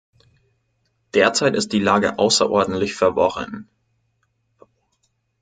Derzeit ist die Lage außerordentlich verworren.